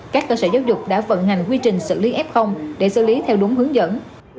các cơ sở giáo dục đã vận hành quy trình xử lý f để xử lý theo đúng hướng dẫn